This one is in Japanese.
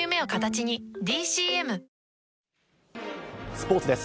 スポーツです。